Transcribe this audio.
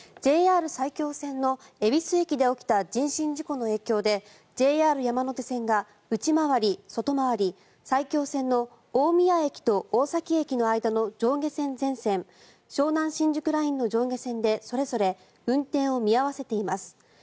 ＪＲ埼京線の恵比寿駅で起きた人身事故の影響で、ＪＲ山手線が内回り・外回り埼京線の大宮駅と大崎駅の間の上下線全線湘南新宿ラインの上下線でそれぞれ運転を見合わせています。